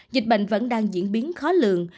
dịch bệnh vẫn đang diễn biến khó lường